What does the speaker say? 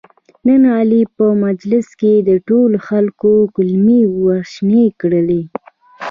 نن علي په مجلس کې د ټولو خلکو کولمې ورشنې کړلې.